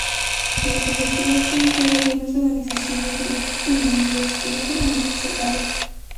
Los objetivos pueden ser gobiernos, organizaciones, grupos e individuos, y no solamente soldados.